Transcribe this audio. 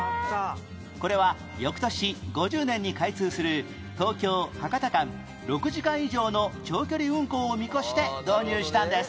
これは翌年５０年に開通する東京博多間６時間以上の長距離運行を見越して導入したんです